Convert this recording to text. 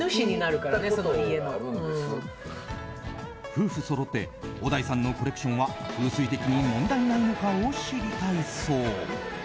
夫婦そろって小田井さんのコレクションは風水的に問題ないのかを知りたいそう。